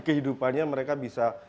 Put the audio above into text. kehidupannya mereka bisa